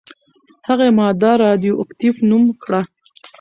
هغې ماده «راډیواکټیف» نوم کړه.